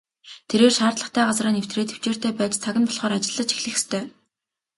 Тэрээр шаардлагатай газраа нэвтрээд тэвчээртэй байж цаг нь болохоор ажиллаж эхлэх ёстой.